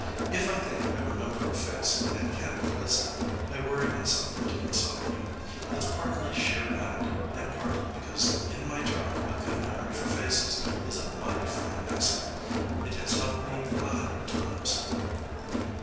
If I think I remember a face, and can't place it, I worry myself into insomnia. It's partly sheer vanity, and partly because in my job a good memory for faces is a mighty fine asset. It has helped me a hundred times.'